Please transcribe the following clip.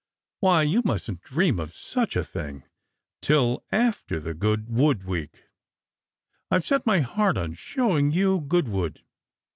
" Why, you mustn't dream of such a thing till after the Good * wood week ! I have set my heart on showing you Goodwood."